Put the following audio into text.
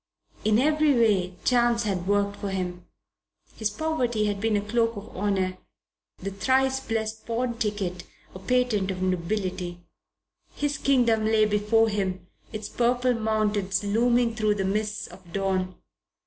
In every way Chance had worked for him. His poverty had been a cloak of honour; the thrice blessed pawn ticket a patent of nobility. His kingdom lay before him, its purple mountains looming through the mists of dawn.